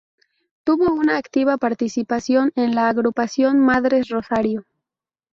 Tuvo una activa participación en la agrupación Madres Rosario.